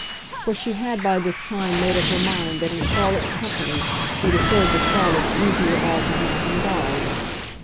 For she had by this time made up her mind that in Charlotte's company he deferred to Charlotte's easier art of mounting guard.